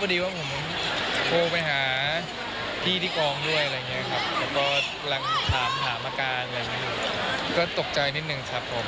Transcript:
ก็พอดีผมโทรไปหาพี่ที่กรองด้วยแล้วเราถามผ่ามาการก็ตกใจนิดนึงครับผม